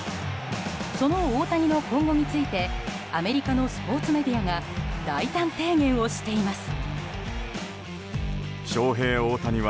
その大谷の今後についてアメリカのスポーツメディアが大胆提言をしています。